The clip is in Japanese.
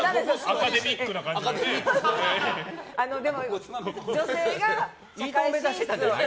アカデミックな感じで。